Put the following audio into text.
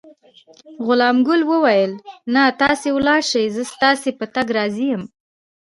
غلام ګل وویل: نه، تاسې ولاړ شئ، زه ستاسي په تګ راضي یم.